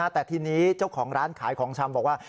แต่ทีนี้เจ้าของร้านขายของชำบอกว่า